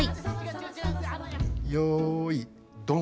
よいドン。